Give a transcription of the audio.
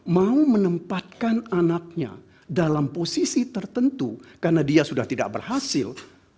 mau menempatkan anaknya dalam posisi tertentu karena dia sudah tidak berhasil